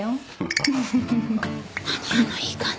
何あのいい感じ。